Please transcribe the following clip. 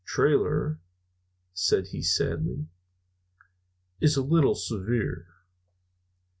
"Trailer," said he sadly, "is a little severe."